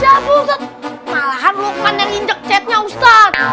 siapa ustaz malahan lukman yang injek catnya ustaz